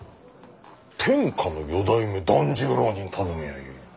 天下の四代目團十郎に頼みゃあいい。